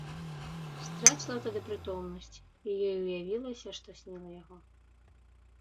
Страціла тады прытомнасць, і ёй уявілася, што сніла яго.